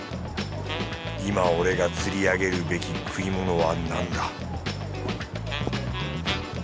今俺が釣り上げるべき食い物は何だ